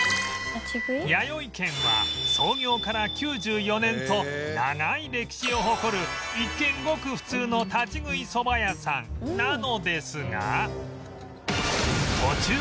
弥生軒は創業から９４年と長い歴史を誇る一見ごく普通の立ち食いそば屋さんなのですが